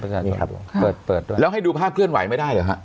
เป็นไทม์ไลน์ครับเปิดเปิดแล้วให้ดูภาพเคลื่อนไหวไม่ได้หรือฮะ